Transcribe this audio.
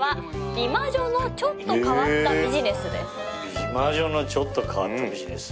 美魔女のちょっと変わったビジネス？